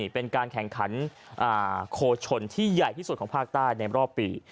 เป็นการแข่งขันโคชนที่ใหญ่ที่สุดของภาคใต้ในรอบปี